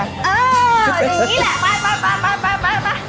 อย่างนี้แหละไป